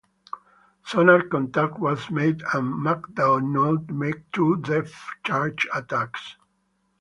Sonar contact was made, and "MacDonough" made two depth charge attacks.